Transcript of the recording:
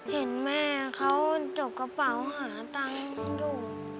เห็นแม่เขาจกกระเป๋าหาตังค์อยู่